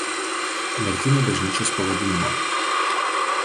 Martyno bažnyčios pavadinimo.